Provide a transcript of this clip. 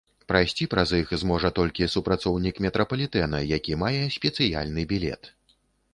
Прайсці праз іх зможа толькі супрацоўнік метрапалітэна, які мае спецыяльны білет.